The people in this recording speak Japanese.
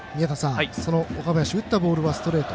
その岡林、打ったボールはストレート。